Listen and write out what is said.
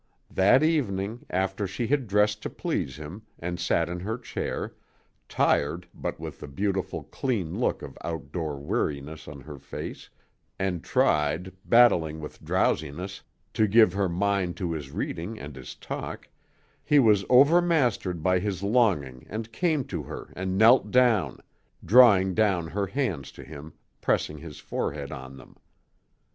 That evening, after she had dressed to please him, and sat in her chair, tired, but with the beautiful, clean look of outdoor weariness on her face, and tried, battling with drowsiness, to give her mind to his reading and his talk, he was overmastered by his longing and came to her and knelt down, drawing down her hands to him, pressing his forehead on them.